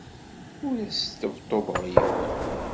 Ur as-sṭebṭubeɣ i yiwen.